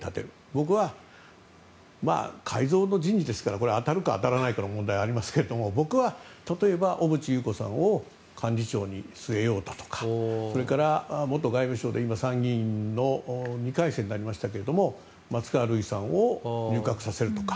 僕は改造の人事としては当たるか当たらないかの問題がありますけど僕は例えば小渕優子さんを幹事長に据えようだとかそれから元外務省で今、参議院の２回生ですが松川るいさんを入閣させるとか。